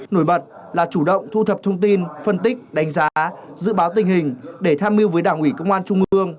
nổi bật là chủ động thu thập thông tin phân tích đánh giá dự báo tình hình để tham mưu với đảng ủy công an trung ương